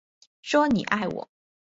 说你爱我